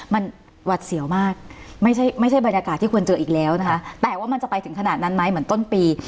มันหวัดเสียวมากไม่ใช่ไม่ใช่บรรยากาศที่ควรเจออีกแล้วนะคะแต่ว่ามันจะไปถึงขนาดนั้นไหมเหมือนต้นปี